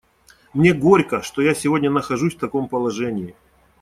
Мне горько, что я сегодня нахожусь в таком положении.